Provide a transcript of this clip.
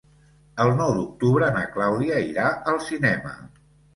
El nou d'octubre na Clàudia irà al cinema.